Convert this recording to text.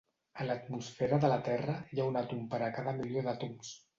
A l'atmosfera de la Terra, hi ha un àtom per a cada milió d'àtoms.